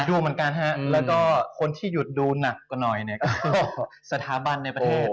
ดูเหมือนกันฮะแล้วก็คนที่หยุดดูหนักกว่าหน่อยเนี่ยก็สถาบันในประเทศ